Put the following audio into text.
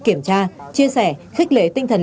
kiểm tra chia sẻ khích lễ tinh thần